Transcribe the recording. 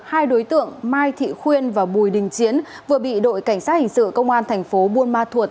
hai đối tượng mai thị khuyên và bùi đình chiến vừa bị đội cảnh sát hình sự công an thành phố buôn ma thuột